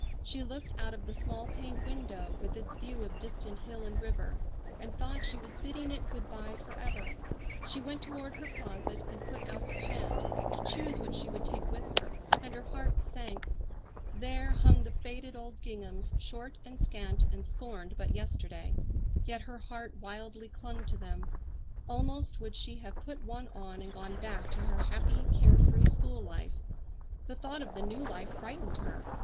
She looked out of the small paned window with its view of distant hill and river, and thought she was bidding it good bye forever. She went toward her closet and put out her hand to choose what she would take with her, and her heart sank. There hung the faded old ginghams short and scant, and scorned but yesterday, yet her heart wildly clung to them. Almost would she have put one on and gone back to her happy care free school life. The thought of the new life frightened her.